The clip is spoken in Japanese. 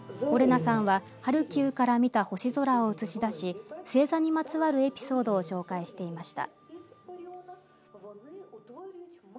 オレナさんはハルキウから見た星空を映し出し星座にまつわるエピソードを紹介していました。